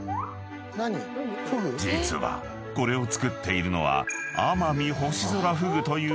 ［実はこれを作っているのは］